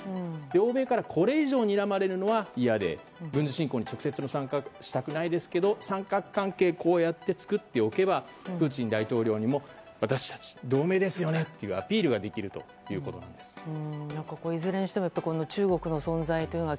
欧米からこれ以上にらまれるのは嫌で軍事侵攻に直接の参加はしたくないですけれども三角関係を作っておけばプーチン大統領にも私たち、同盟ですよねというアピールができるいずれにしても中国の存在というのが